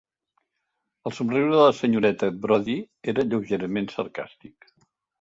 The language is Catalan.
El somriure de la senyoreta Brodie era lleugerament sarcàstic.